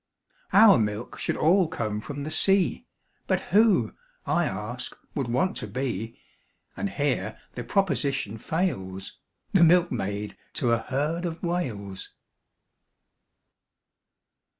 Our milk should all come from the sea, But who, I ask, would want to be, And here the proposition fails, The milkmaid to a herd of Whales?